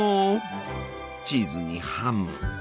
チーズにハム。